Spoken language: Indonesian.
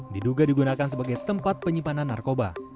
diduga digunakan sebagai tempat penyimpanan narkoba